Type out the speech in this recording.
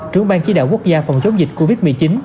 trưởng bang chí đạo quốc gia phòng chống dịch covid một mươi chín